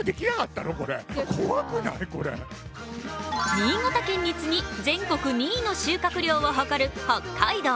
新潟県に次ぎ全国２位の収穫量を誇る北海道。